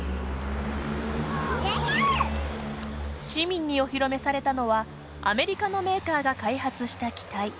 市民にお披露目されたのはアメリカのメーカーが開発した機体。